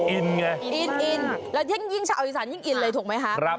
ไงอินอินแล้วยิ่งชาวอีสานยิ่งอินเลยถูกไหมคะ